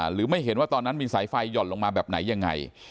หรือไม่เห็นว่าตอนนั้นมีสายไฟหย่อนลงมาแบบไหนยังไง